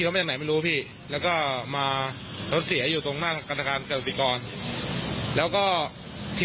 ถ้าเขาไม่เสร็จก็ดีปกติ